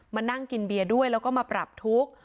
มานั่งกินเบียร์ด้วยแล้วก็มาปรับทุกข์